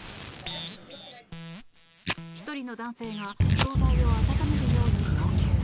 １人の男性が総菜を温めるように要求。